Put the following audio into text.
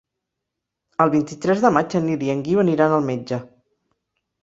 El vint-i-tres de maig en Nil i en Guiu aniran al metge.